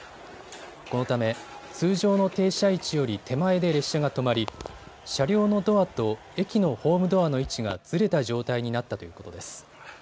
このため通常の停車位置より手前で列車が止まり、車両のドアと駅のホームドアの位置がずれた状態になったということです。